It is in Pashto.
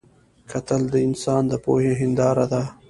کتل د انسان د پوهې هنداره ده